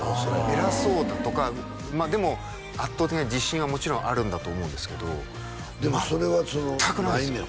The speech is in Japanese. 偉そうだとかでも圧倒的な自信はもちろんあるんだと思うんですけど全くないですね